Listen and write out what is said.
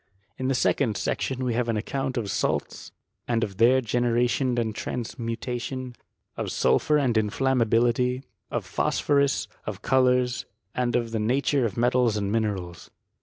In the second section we have an account of salts, and of their generation and transmutation, of sulphur and in flammability, of phosphorus, of colours, and of thf nature of metals and minerals.